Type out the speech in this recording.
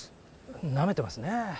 なめてますね。